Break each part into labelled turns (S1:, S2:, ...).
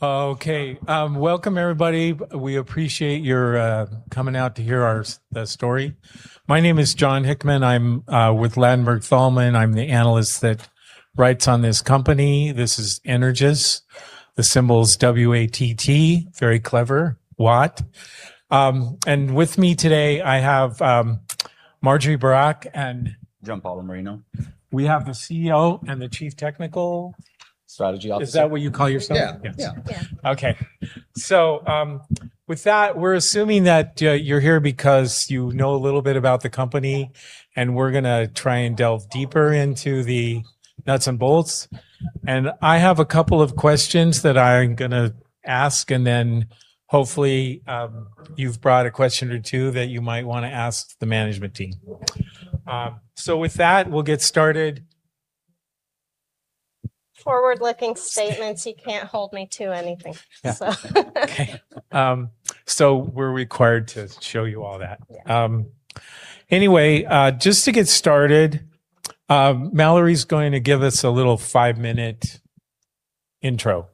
S1: Okay. Welcome, everybody. We appreciate your coming out to hear our story. My name is Jon Hickman. I'm with Ladenburg Thalmann. I'm the analyst that writes on this company. This is Energous. The symbol is W-A-T-T. Very clever, WATT. And with me today I have Mallorie Burak and-
S2: Giampaolo Marino.
S1: We have the CEO and the chief technical
S2: Strategy Officer.
S1: Is that what you call yourself?
S2: Yeah.
S1: Yes.
S3: Yeah.
S1: Okay. With that, we're assuming that you're here because you know a little bit about the company, and we're going to try and delve deeper into the nuts and bolts. I have a couple of questions that I'm going to ask, hopefully, you've brought a question or two that you might want to ask the management team. With that, we'll get started.
S3: Forward-looking statements, you can't hold me to anything.
S1: Yeah. Okay. We're required to show you all that.
S3: Yeah.
S1: Anyway, just to get started, Mallorie's going to give us a little five-minute intro.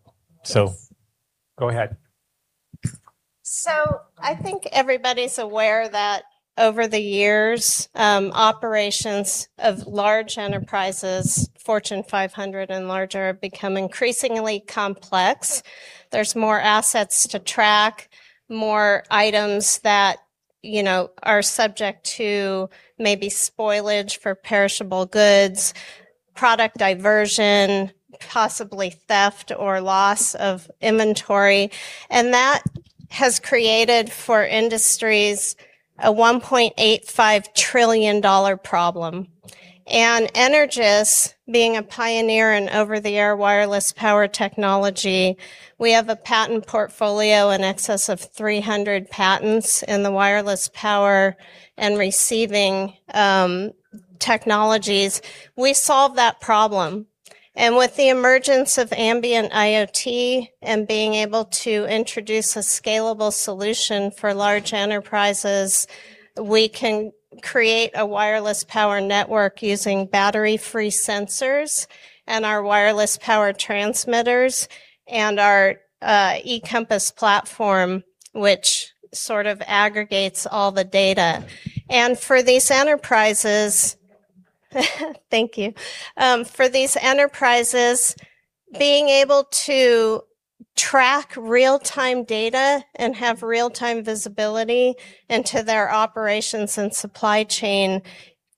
S1: Go ahead.
S3: I think everybody's aware that over the years, operations of large enterprises, Fortune 500 and larger, become increasingly complex. There's more assets to track, more items that are subject to maybe spoilage for perishable goods, product diversion, possibly theft or loss of inventory. That has created for industries a $1.85 trillion problem. Energous, being a pioneer in over-the-air wireless power technology, we have a patent portfolio in excess of 300 patents in the wireless power and receiving technologies. We solve that problem. With the emergence of ambient IoT and being able to introduce a scalable solution for large enterprises, we can create a wireless power network using battery-free sensors and our wireless power transmitters and our e-Compass platform, which sort of aggregates all the data. Thank you, for these enterprises, being able to track real-time data and have real-time visibility into their operations and supply chain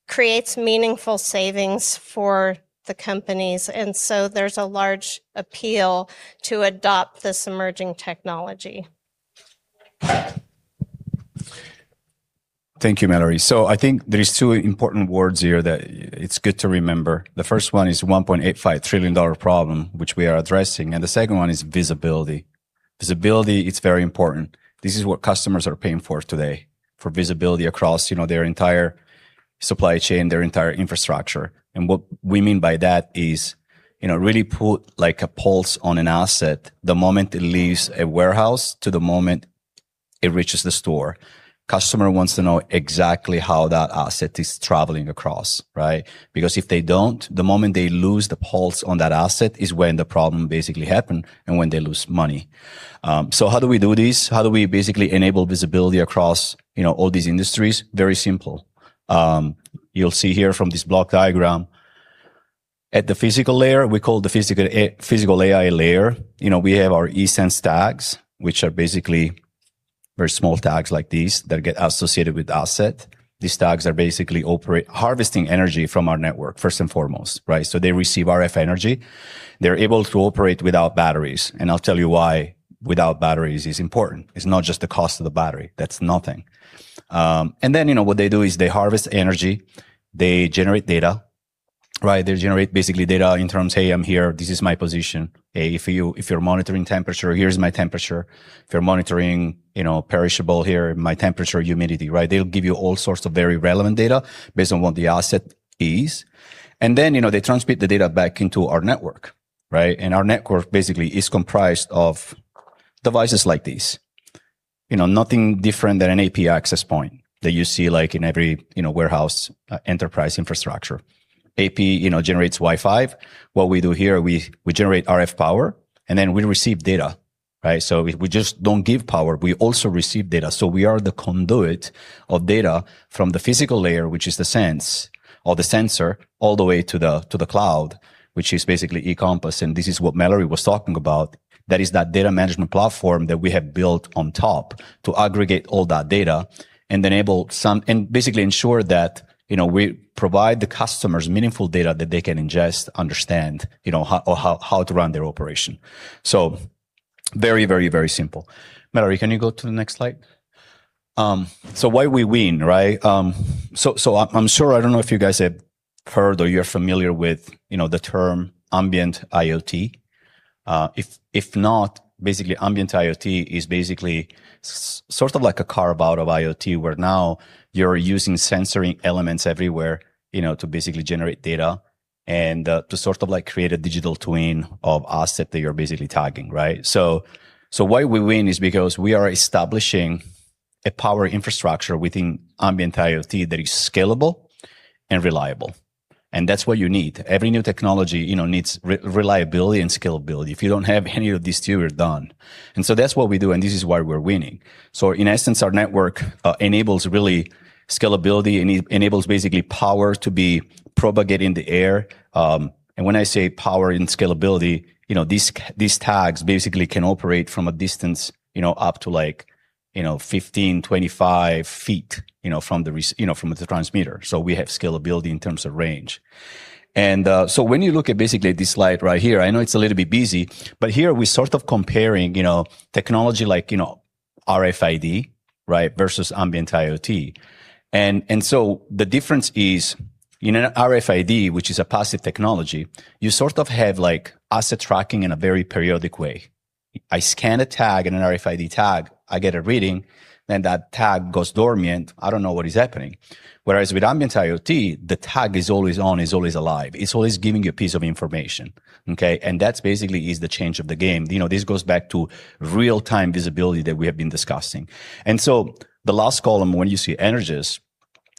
S3: creates meaningful savings for the companies. There's a large appeal to adopt this emerging technology.
S2: Thank you, Mallorie. I think there is two important words here that it's good to remember. The first one is $1.85 trillion problem, which we are addressing, and the second one is visibility. Visibility. It's very important. This is what customers are paying for today, for visibility across their entire supply chain, their entire infrastructure. What we mean by that is, really put a pulse on an asset the moment it leaves a warehouse to the moment it reaches the store. Customer wants to know exactly how that asset is traveling across, right? Because if they don't, the moment they lose the pulse on that asset is when the problem basically happen and when they lose money. How do we do this? How do we basically enable visibility across all these industries? Very simple. You'll see here from this block diagram, at the physical layer, we call the physical AI layer. We have our e-Sense tags, which are basically very small tags like these that get associated with asset. These tags are basically harvesting energy from our network first and foremost, right? They receive RF energy. They're able to operate without batteries, and I'll tell you why without batteries is important. It's not just the cost of the battery. That's nothing. What they do is they harvest energy, they generate data. They generate basically data in terms of, "Hey, I'm here. This is my position." If you're monitoring temperature, "Here's my temperature." If you're monitoring perishable, "Here are my temperature, humidity." They'll give you all sorts of very relevant data based on what the asset is. They transmit the data back into our network. Our network basically is comprised of devices like this. Nothing different than an AP access point that you see like in every warehouse, enterprise infrastructure. AP generates Wi-Fi. What we do here, we generate RF power, and then we receive data. We just don't give power, we also receive data. We are the conduit of data from the physical layer, which is the sense or the sensor, all the way to the cloud, which is basically e-Compass, and this is what Mallorie was talking about. That is that data management platform that we have built on top to aggregate all that data and basically ensure that we provide the customers meaningful data that they can ingest, understand, or how to run their operation. Very, very, very simple. Mallorie, can you go to the next slide? Why we win. I'm sure, I don't know if you guys have heard or you're familiar with the term ambient IoT. If not, basically ambient IoT is basically sort of like a carve-out of IoT where now you're using sensory elements everywhere to basically generate data and to sort of create a digital twin of asset that you're basically tagging. Why we win is because we are establishing a power infrastructure within ambient IoT that is scalable and reliable, and that's what you need. Every new technology needs reliability and scalability. If you don't have any of these two, you're done. That's what we do, and this is why we're winning. In essence, our network enables really scalability, and it enables basically power to be propagated in the air. When I say power and scalability, these tags basically can operate from a distance up to 15, 25 ft from the transmitter. We have scalability in terms of range. When you look at basically this slide right here, I know it's a little bit busy, but here we're sort of comparing technology like RFID versus ambient IoT. The difference is in an RFID, which is a passive technology, you sort of have asset tracking in a very periodic way. I scan a tag and an RFID tag, I get a reading, then that tag goes dormant. I don't know what is happening. Whereas with ambient IoT, the tag is always on, is always alive. It's always giving you a piece of information, okay? That's basically is the change of the game. This goes back to real-time visibility that we have been discussing. The last column, when you see Energous,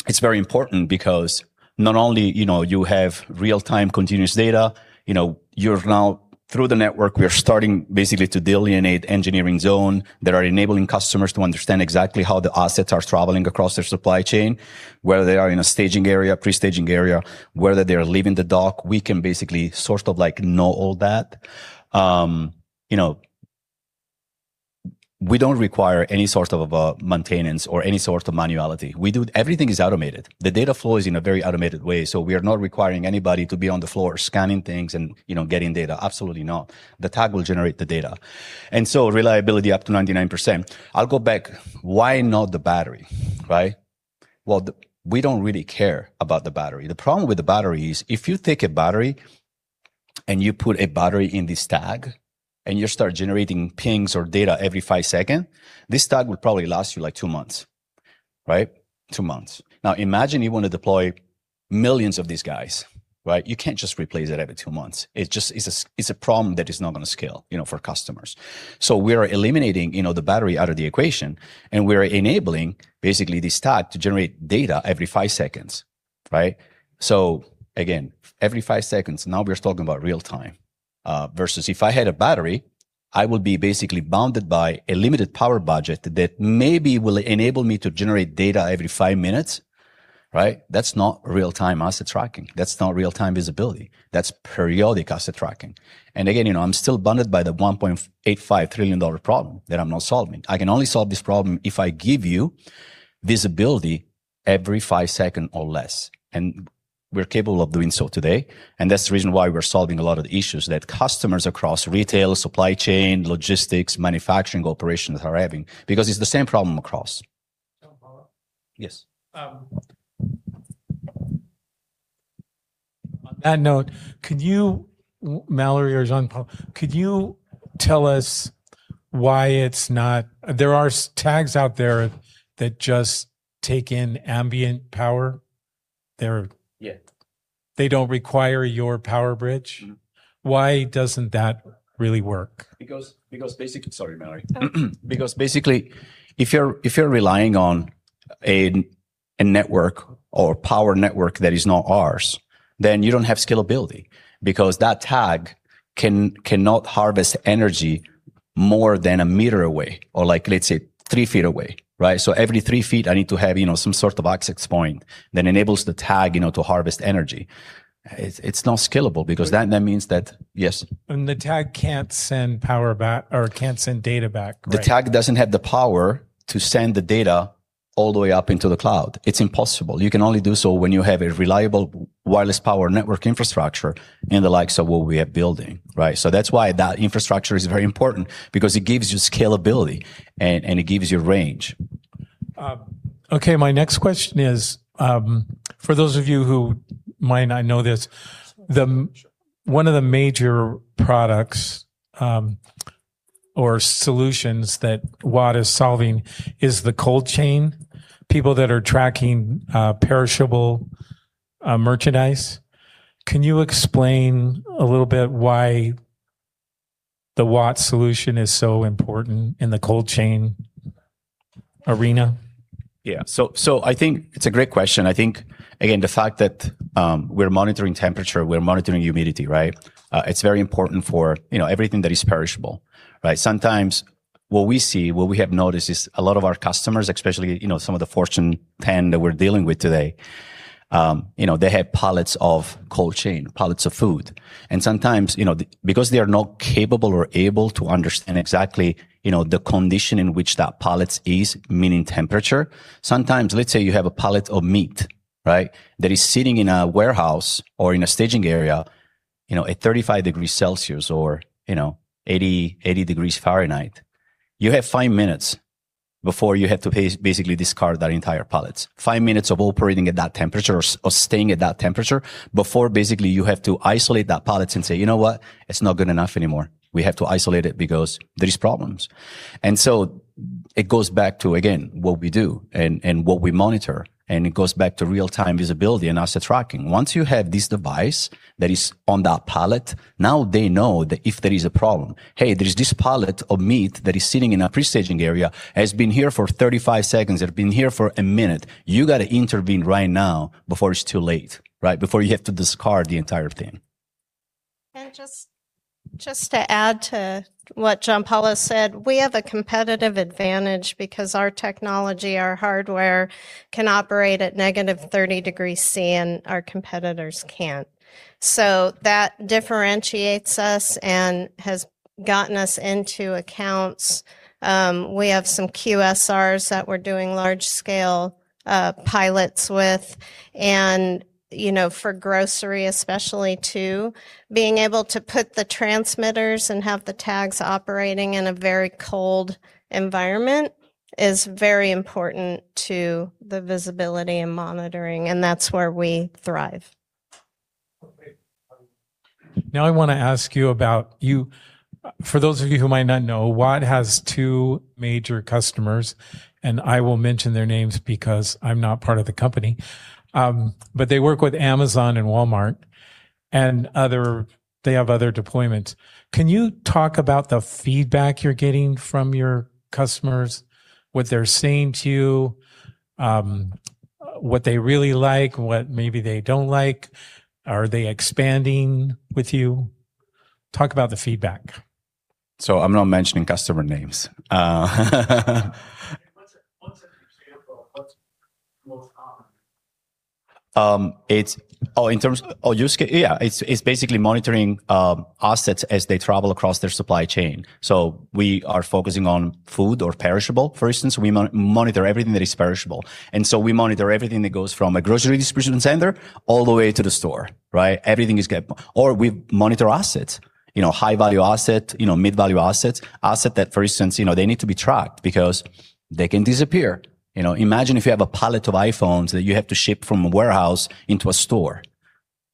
S2: it's very important because not only you have real-time continuous data, you're now through the network, we are starting basically to delineate engineering zone that are enabling customers to understand exactly how the assets are traveling across their supply chain, whether they are in a staging area, pre-staging area, whether they are leaving the dock. We can basically sort of know all that. We don't require any sort of a maintenance or any sort of manuality. Everything is automated. The data flow is in a very automated way, so we are not requiring anybody to be on the floor scanning things and getting data. Absolutely not. The tag will generate the data. Reliability up to 99%. I'll go back. Why not the battery, right? We don't really care about the battery. The problem with the battery is if you take a battery and you put a battery in this tag, and you start generating pings or data every five second, this tag would probably last you two months. Right? Two months. Now imagine you want to deploy millions of these guys. You can't just replace it every two months. It's a problem that is not going to scale for customers. We are eliminating the battery out of the equation, and we're enabling basically this tag to generate data every five seconds. Right? Again, every five seconds, now we're talking about real-time. Versus if I had a battery, I would be basically bounded by a limited power budget that maybe will enable me to generate data every five minutes. That's not real-time asset tracking. That's not real-time visibility. That's periodic asset tracking. I'm still bounded by the $1.85 trillion problem that I'm not solving. I can only solve this problem if I give you visibility every five second or less. We're capable of doing so today, and that's the reason why we're solving a lot of the issues that customers across retail, supply chain, logistics, manufacturing operations are having, because it's the same problem across.
S1: Jon, follow up?
S2: Yes.
S1: On that note, could you, Mallorie or Giampaolo, could you tell us why there are tags out there that just take in ambient power?
S2: Yeah.
S1: They don't require your PowerBridge. Why doesn't that really work?
S2: Basically, Sorry, Mallorie.
S3: That's okay.
S2: Because basically, if you're relying on a network or power network that is not ours, then you don't have scalability, because that tag cannot harvest energy more than a meter away or let's say three feet away. Every three feet, I need to have some sort of access point that enables the tag to harvest energy. It's not scalable because that means that.
S1: The tag can't send power back or can't send data back, correct?
S2: The tag doesn't have the power to send the data all the way up into the cloud. It's impossible. You can only do so when you have a reliable wireless power network infrastructure in the likes of what we are building. That's why that infrastructure is very important because it gives you scalability and it gives you range.
S1: Okay, my next question is, for those of you who might not know this, one of the major products or solutions that WATT is solving is the cold chain, people that are tracking perishable merchandise. Can you explain a little bit why the WATT solution is so important in the cold chain arena?
S2: Yeah. I think it's a great question. I think, again, the fact that we're monitoring temperature, we're monitoring humidity. It's very important for everything that is perishable. Sometimes what we see, what we have noticed is a lot of our customers, especially some of the Fortune 10 that we're dealing with today, they have pallets of cold chain, pallets of food. Sometimes because they are not capable or able to understand exactly the condition in which that pallet is, meaning temperature, sometimes let's say you have a pallet of meat that is sitting in a warehouse or in a staging area at 35 degrees Celsius, or 80 degrees Fahrenheit. You have five minutes before you have to basically discard that entire pallet. Five minutes of operating at that temperature or staying at that temperature before basically you have to isolate that pallet and say, "You know what? It's not good enough anymore. We have to isolate it because there is problems." It goes back to, again, what we do and what we monitor, and it goes back to real-time visibility and asset tracking. Once you have this device that is on that pallet, now they know that if there is a problem, hey, there's this pallet of meat that is sitting in a pre-staging area, has been here for 35 seconds, it had been here for one minute. You got to intervene right now before it's too late, before you have to discard the entire thing.
S3: Just to add to what Giampaolo said, we have a competitive advantage because our technology, our hardware, can operate at -30 degrees Celsius, and our competitors can't. That differentiates us and has gotten us into accounts. We have some QSRs that we're doing large-scale pilots with. For grocery especially too, being able to put the transmitters and have the tags operating in a very cold environment is very important to the visibility and monitoring, and that's where we thrive.
S1: Okay. Now I want to ask you about, for those of you who might not know, WATT has two major customers, and I will mention their names because I'm not part of the company. They work with Amazon and Walmart, and they have other deployments. Can you talk about the feedback you're getting from your customers, what they're saying to you, what they really like, what maybe they don't like? Are they expanding with you? Talk about the feedback.
S2: I'm not mentioning customer names.
S1: What's an example of what's most common?
S2: It's basically monitoring assets as they travel across their supply chain. We are focusing on food or perishable, for instance. We monitor everything that is perishable. We monitor everything that goes from a grocery distribution center all the way to the store, right? Or we monitor assets, high-value asset, mid-value assets. Asset that, for instance, they need to be tracked because they can disappear. Imagine if you have a pallet of iPhones that you have to ship from a warehouse into a store.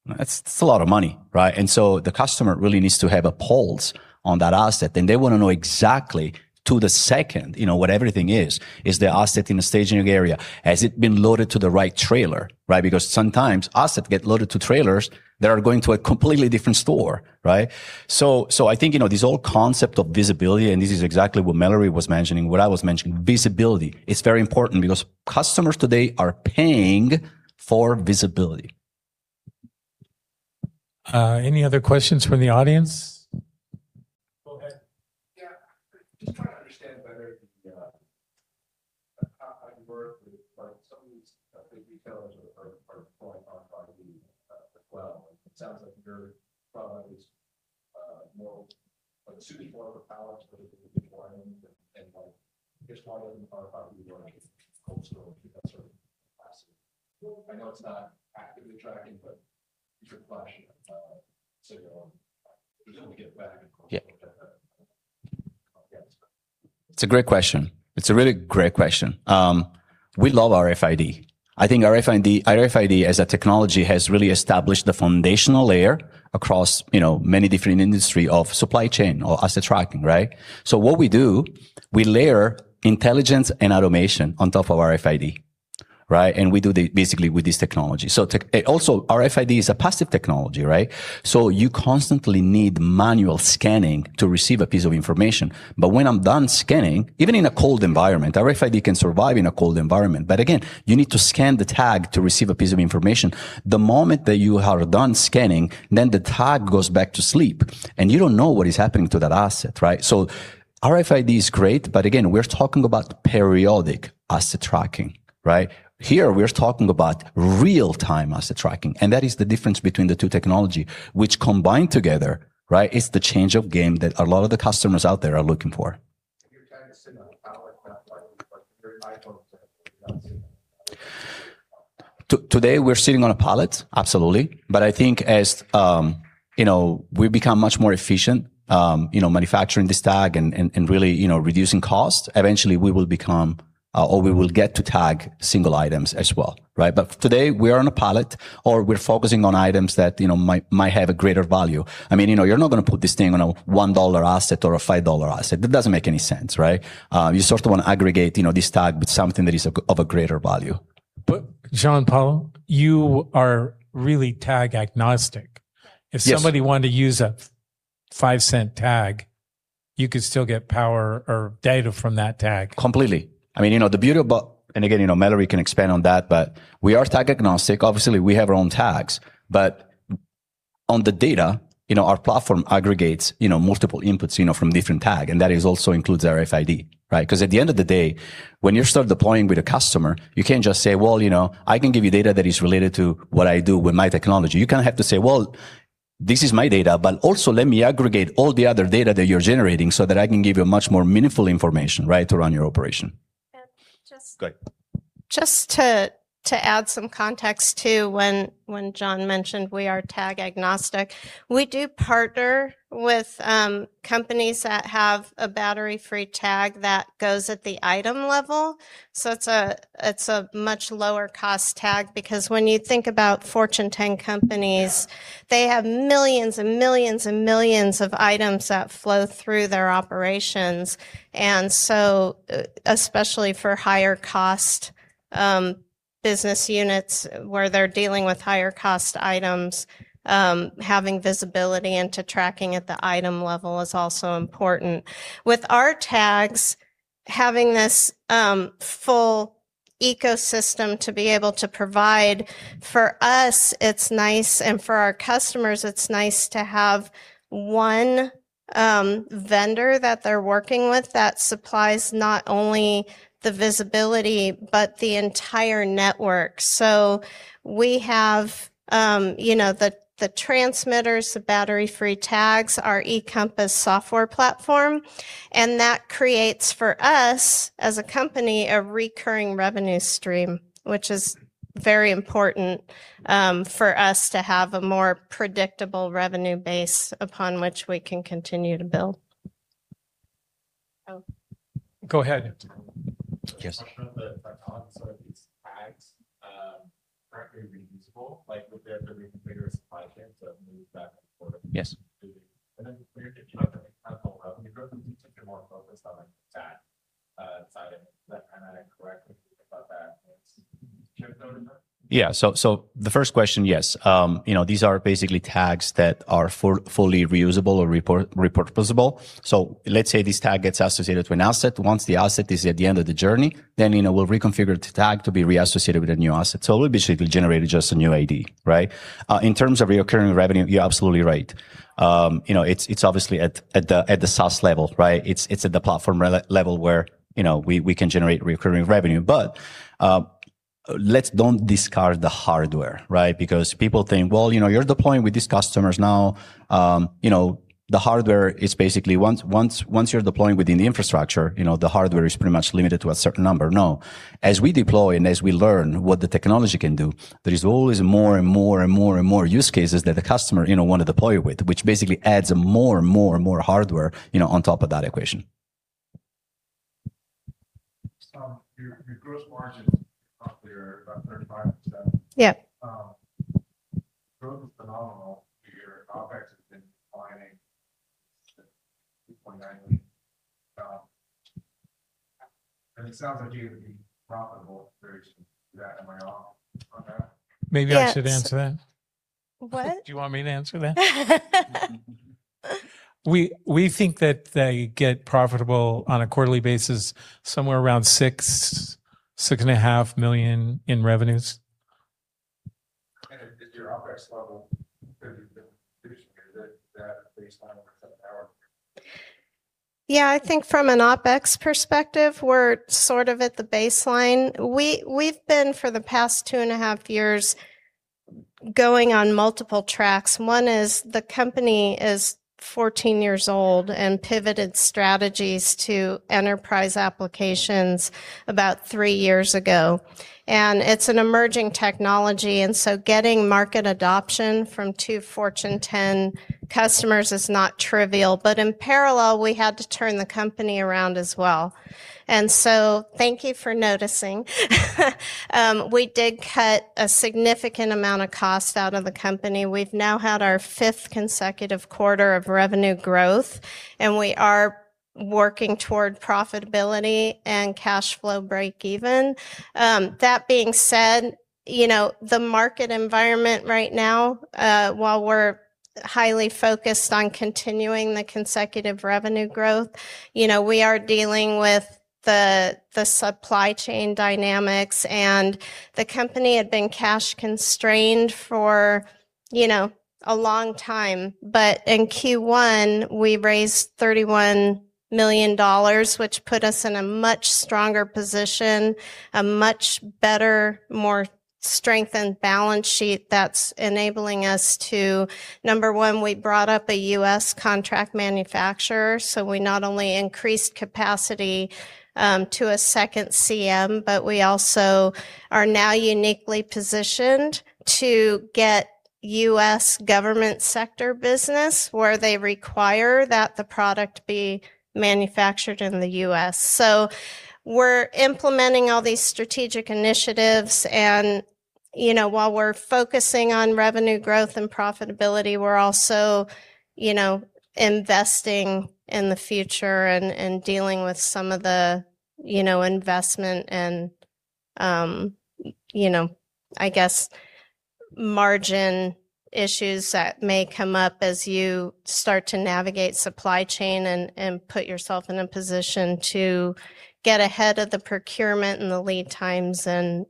S2: That's a lot of money, right? The customer really needs to have a pulse on that asset, and they want to know exactly to the second where everything is. Is the asset in the staging area? Has it been loaded to the right trailer, right? Sometimes assets get loaded to trailers that are going to a completely different store, right? I think, this whole concept of visibility, and this is exactly what Mallorie was mentioning, what I was mentioning, visibility is very important because customers today are paying for visibility.
S1: Any other questions from the audience? Go ahead.
S4: Yeah. Just trying to understand better the work with some of these big retailers are going RFID as well. It sounds like your product is more suited more of a pallet just one of them are probably going cold storage, that sort of passive. I know it's not actively tracking, but it's a question of signal, just want to get back and-
S2: Yeah
S4: yes.
S2: It's a great question. It's a really great question. We love RFID. I think RFID as a technology has really established the foundational layer across many different industry of supply chain or asset tracking, right? What we do, we layer intelligence and automation on top of RFID, right? We do that basically with this technology. Also, RFID is a passive technology, right? You constantly need manual scanning to receive a piece of information. When I'm done scanning, even in a cold environment, RFID can survive in a cold environment. Again, you need to scan the tag to receive a piece of information. The moment that you are done scanning, then the tag goes back to sleep, and you don't know what is happening to that asset, right? RFID is great, but again, we're talking about periodic asset tracking, right? Here, we're talking about real-time asset tracking, and that is the difference between the two technology, which combined together, right, is the change of game that a lot of the customers out there are looking for.
S4: You're kind of sitting on a pallet. Like your iPhone is not sitting on a pallet.
S2: Today, we're sitting on a pallet, absolutely. I think as we become much more efficient manufacturing this tag and really reducing costs, eventually we will become, or we will get to tag single items as well, right? Today, we are on a pallet, or we're focusing on items that might have a greater value. You're not going to put this thing on a $1 asset or a $5 asset. It doesn't make any sense, right? You sort of want to aggregate this tag with something that is of a greater value.
S1: Giampaolo, you are really tag agnostic.
S2: Yes.
S1: If somebody wanted to use a $0.05 tag, you could still get power or data from that tag.
S2: Completely. Again, Mallorie can expand on that, but we are tag agnostic. Obviously, we have our own tags. On the data, our platform aggregates multiple inputs from different tag, and that also includes RFID, right? At the end of the day, when you start deploying with a customer, you can't just say, "Well, I can give you data that is related to what I do with my technology." You kind of have to say, "Well, this is my data, but also let me aggregate all the other data that you're generating so that I can give you much more meaningful information to run your operation.
S3: And just-
S2: Go ahead
S3: just to add some context, too, when Jon mentioned we are tag agnostic, we do partner with companies that have a battery-free tag that goes at the item level. It's a much lower cost tag because when you think about Fortune 10 companies, they have millions and millions and millions of items that flow through their operations. Especially for higher cost business units where they're dealing with higher cost items, having visibility into tracking at the item level is also important. With our tags, having this full ecosystem to be able to provide, for us, it's nice, and for our customers, it's nice to have one vendor that they're working with that supplies not only the visibility but the entire network. We have the transmitters, the battery-free tags, our e-Compass software platform, and that creates, for us as a company, a recurring revenue stream, which is very important for us to have a more predictable revenue base upon which we can continue to build. Oh.
S1: Go ahead.
S4: Yes. A question on the tags. Are these tags currently reusable? Would they have to reconfigure a supply chain to move back and forth?
S2: Yes.
S4: And then, did you have any kind of revenue growth? You said you're more focused on that side of that dynamic. Correct? Could you talk about that?
S2: Yeah. The first question, yes. These are basically tags that are fully reusable or repurposable. Let's say this tag gets associated to an asset. Once the asset is at the end of the journey, then we'll reconfigure the tag to be reassociated with a new asset. We'll basically generate just a new ID. In terms of recurring revenue, you're absolutely right. It's obviously at the SaaS level. It's at the platform level where we can generate recurring revenue. Let's don't discard the hardware. Because people think, well, you're deploying with these customers now. The hardware is basically once you're deploying within the infrastructure, the hardware is pretty much limited to a certain number. No. As we deploy and as we learn what the technology can do, there is always more and more use cases that the customer want to deploy with, which basically adds more and more hardware on top of that equation.
S4: Your gross margins roughly are about 35%.
S3: Yeah.
S4: Growth is phenomenal. Your OpEx has been declining, $2.9 million. It sounds like you would be profitable very soon. Is that am I off on that?
S1: Maybe I should answer that.
S3: What?
S1: Do you want me to answer that? We think that they get profitable on a quarterly basis somewhere around $6 million, $6.5 million in revenues.
S4: Is your OpEx level at baseline or is that lower?
S3: I think from an OpEx perspective, we're sort of at the baseline. We've been, for the past two and a half years, going on multiple tracks. One is the company is 14 years old and pivoted strategies to enterprise applications about three years ago, it's an emerging technology. Getting market adoption from two Fortune 10 customers is not trivial, in parallel, we had to turn the company around as well. Thank you for noticing. We did cut a significant amount of cost out of the company. We've now had our fifth consecutive quarter of revenue growth, we are working toward profitability and cash flow break even. That being said, the market environment right now, while we're highly focused on continuing the consecutive revenue growth, we are dealing with the supply chain dynamics, the company had been cash constrained for a long time. In Q1, we raised $31 million, which put us in a much stronger position, a much better, more strengthened balance sheet that's enabling us to, number one, we brought up a U.S. contract manufacturer, so we not only increased capacity to a second CM, we also are now uniquely positioned to get U.S. government sector business where they require that the product be manufactured in the U.S. We're implementing all these strategic initiatives and while we're focusing on revenue growth and profitability, we're also investing in the future and dealing with some of the investment and I guess margin issues that may come up as you start to navigate supply chain and put yourself in a position to get ahead of the procurement and the lead times and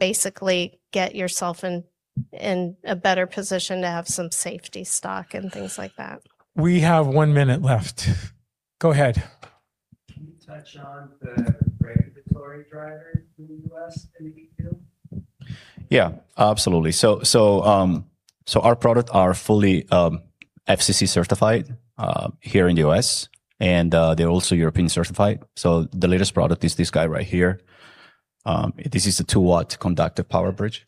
S3: basically get yourself in a better position to have some safety stock and things like that.
S1: We have one minute left. Go ahead.
S4: Can you touch on the regulatory drivers in the U.S., in the E.U.?
S2: Yeah, absolutely. Our product are fully FCC certified here in the U.S., and they're also European certified. The latest product is this guy right here. This is a 2-watt conductive PowerBridge.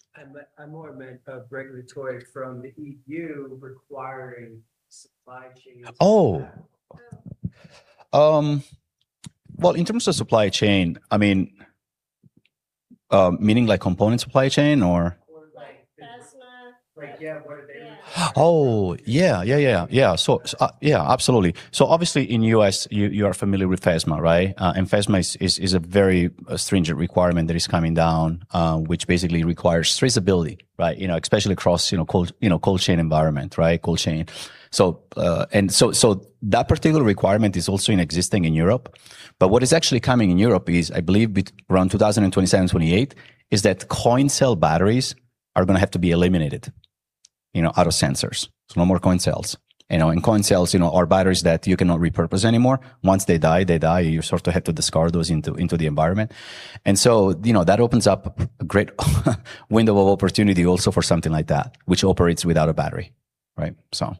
S4: I more meant regulatory from the EU requiring supply chains.
S2: Oh.
S3: Oh
S2: Well, in terms of supply chain, meaning like component supply chain or?
S4: Or like.
S3: Like FSMA.
S4: like yeah, where they
S2: Oh, yeah. Yeah. Yeah, absolutely. Obviously in U.S., you are familiar with FSMA, right? FSMA is a very stringent requirement that is coming down, which basically requires traceability. Especially across cold chain environment. That particular requirement is also existing in Europe. What is actually coming in Europe is, I believe around 2027, 2028, is that coin cell batteries are going to have to be eliminated out of sensors. No more coin cells. Coin cells are batteries that you cannot repurpose anymore. Once they die, they die. You sort of have to discard those into the environment. That opens up a great window of opportunity also for something like that, which operates without a battery.
S4: What's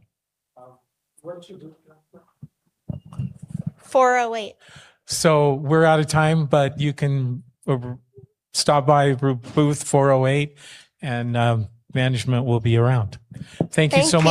S4: your booth number?
S3: 408.
S1: We're out of time, but you can stop by booth 408, and management will be around. Thank you so much.